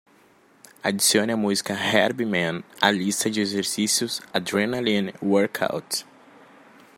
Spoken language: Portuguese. Adicione a música Herbie Mann à lista de exercícios Adrenaline Workout.